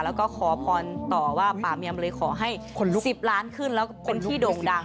แล้วก็ขอพรต่อว่าป่าเมียมเลยขอให้๑๐ล้านขึ้นแล้วก็คนที่โด่งดัง